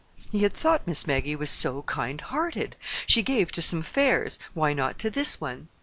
He had thought Miss Maggie was so kind hearted! She gave to some fairs—why not to this one?